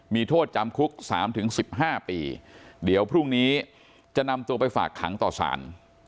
มีโทษจำคุก๓๑๕ปีเดี๋ยวพรุ่งนี้จะนำตัวไปฝากขังต่อสาร